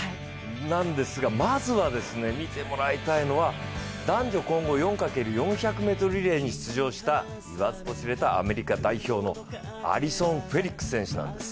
なんですが、まずは見てもらいたいのは男女混合４×４００ｍリレーに出場した言わずと知れたアメリカ代表のアリソン・フェリックス選手なんです。